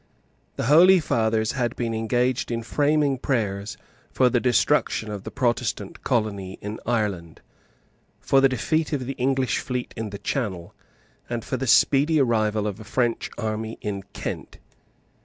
The holy fathers had been engaged in framing prayers for the destruction of the Protestant colony in Ireland, for the defeat of the English fleet in the Channel, and for the speedy arrival of a French army in Kent.